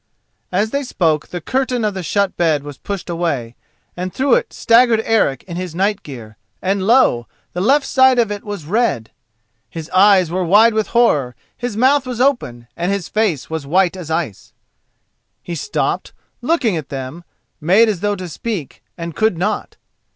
As they spoke the curtain of the shut bed was pushed away, and through it staggered Eric in his night gear, and lo! the left side of it was red. His eyes were wide with horror, his mouth was open, and his face was white as ice. He stopped, looking at them, made as though to speak, and could not.